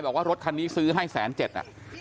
บอกว่ารถคันนี้ซื้อให้แสนเจ็ดน่ะ